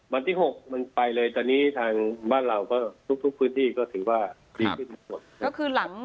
วันที่๖มันไปเลยตอนนี้ทางบ้านเราก็ทุกพื้นที่ก็ถือว่าดีขึ้นหมด